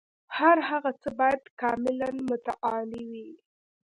هر هغه څه باید کاملاً متعالي وي.